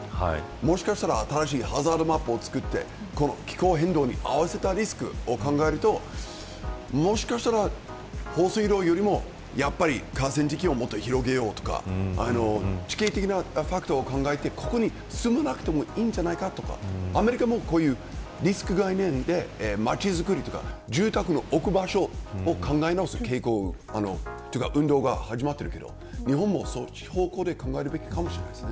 もしかしたら新しいハザードマップを作って気候変動に合わせたリスクを考えるともしかしたら放水路よりもやっぱり河川敷をもっと広げようとか地形的なファクターを考えてここに住まなくてもいいんじゃないかとかアメリカもこういうリスク概念で街づくりとか住宅の置く場所を考え直す傾向や運動が始まっているけど日本もそういう方向で考えるべきかもしれません。